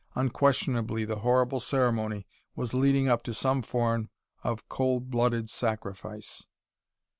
Unquestionably the horrible ceremony was leading up to some form of cold blooded sacrifice....